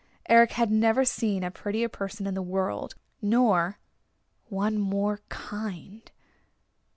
Eric had never seen a prettier person in the world, nor one more kind.